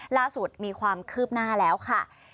ล่าสุดมีความคืบหน้าแล้วค่ะ